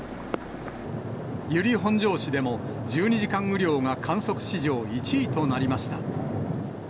由利本荘市でも、１２時間雨量が観測史上１位となりました。